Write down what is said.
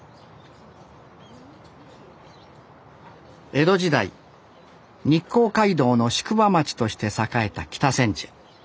江戸時代日光街道の宿場町として栄えた北千住。